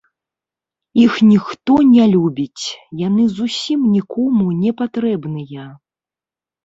Іх ніхто не любіць, яны зусім нікому не патрэбныя.